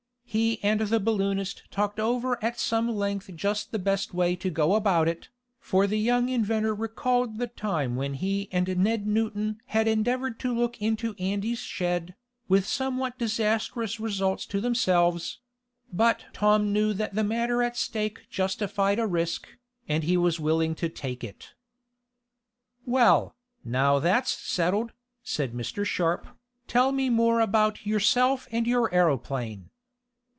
He and the balloonist talked over at some length just the best way to go about it, for the young inventor recalled the time when he and Ned Newton had endeavored to look into Andy's shed, with somewhat disastrous results to themselves; but Tom knew that the matter at stake justified a risk, and he was willing to take it. "Well, now that's settled," said Mr. Sharp, "tell me more about yourself and your aeroplane.